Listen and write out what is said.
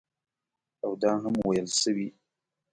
او دا هم ویل شوي